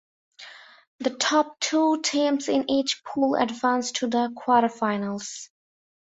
The top two teams in each pool advance to the quarterfinals.